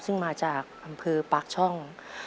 ซึ่งมาจากอำเภอปากช่อง